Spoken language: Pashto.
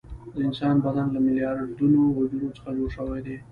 د انسان بدن له میلیارډونو حجرو څخه جوړ شوی دی